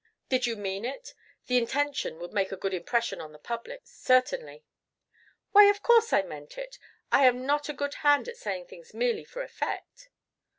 "Did you mean it? The intention would make a good impression on the public, certainly." "Why, of course I meant it. I am not a good hand at saying things merely for effect."